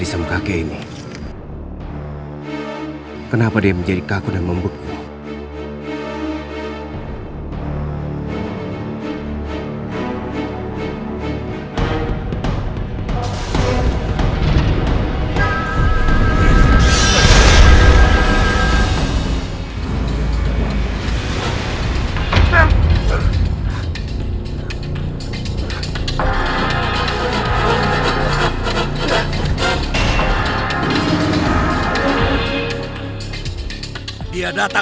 sembara bisa keluar dari kutukan demi medusa